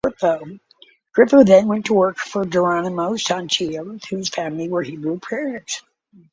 Griffo then went to work for Geronimo Soncino, whose family were Hebrew pritners.